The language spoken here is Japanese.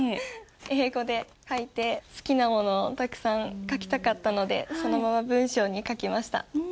英語で書いて好きなものをたくさん書きたかったのでそのまま文章に書きました。